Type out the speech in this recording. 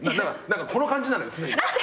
この感じなのよ常に。